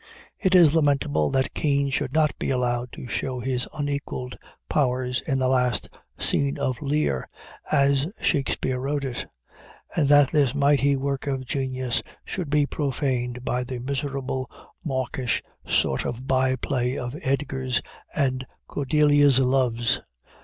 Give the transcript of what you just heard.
It is lamentable that Kean should not be allowed to show his unequaled powers in the last scene of Lear, as Shakspeare wrote it; and that this mighty work of genius should be profaned by the miserable, mawkish sort of by play of Edgar's and Cordelia's loves.